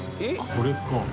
これか。